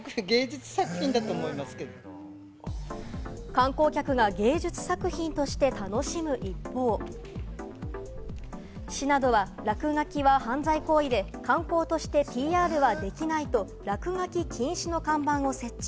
観光客が芸術作品として楽しむ一方、市などは、落書きは犯罪行為で、観光としてＰＲはできないと落書き禁止の看板を設置。